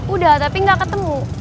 udah tapi gak ketemu